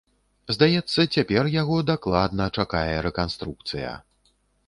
Здаецца, цяпер яго дакладна чакае рэканструкцыя.